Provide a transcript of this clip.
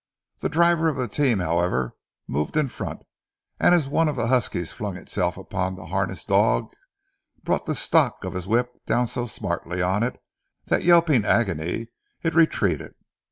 The driver of the team, however, moved in front, and as one of the huskies flung itself upon the harnessed dogs, brought the stock of his whip down so smartly on it, that, yelping agony, it retreated.